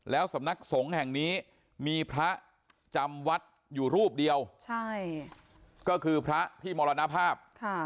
แล้วสำนักสงฆ์แห่งนี้มีพระจำวัดอยู่รูปเดียวใช่ก็คือพระที่มรณภาพ